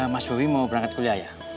mas bobi mau berangkat kuliah ya